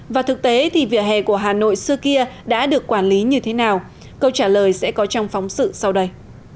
và thực tế thì vỉa hè của hà nội xưa kia đã được quản lý như thế nào câu trả lời sẽ có trong phóng sự sau đây